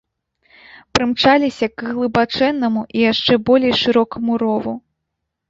Прымчаліся к глыбачэннаму і яшчэ болей шырокаму рову.